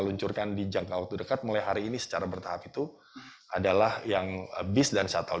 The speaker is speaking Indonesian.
luncurkan di jangka waktu dekat mulai hari ini secara bertahap itu adalah yang bis dan shuttle